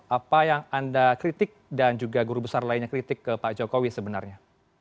apa yang anda kritik dan juga guru besar lainnya kritik ke pak jokowi sebenarnya